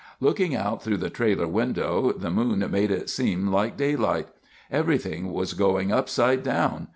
Looking out through the trailer window, the moon made it seem like daylight. Everything was going upside down.